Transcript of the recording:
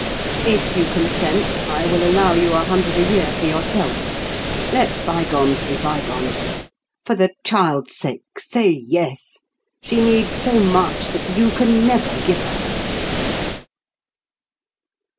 If you consent, I will allow you a hundred a year for yourself. Let bygones be bygones. For the child's sake, say yes! She needs so much that you can never give her!"